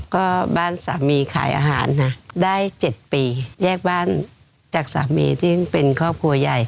ก็บ้านสามีขายอาหารนะได้๗ปีแยกบ้านจากสามีที่เป็นครอบครัวใหญ่